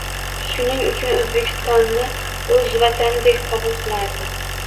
Shuning uchun O‘zbekistonni o‘z vatanidek qabul qilardi.